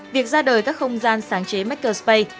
việc ra đời các không gian sáng chế makerspace